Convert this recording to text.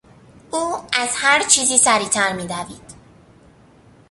او از هرچیزی سریعتر میدوید.